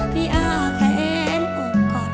พี่อาแขนอบบ้าน